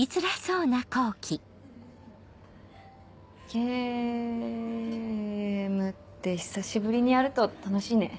ゲームって久しぶりにやると楽しいね。